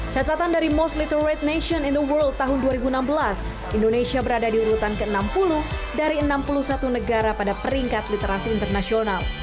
catatan dari most literate nations in the world tahun dua ribu enam belas indonesia berada di urutan ke enam puluh dari enam puluh satu negara pada peringkat literasi internasional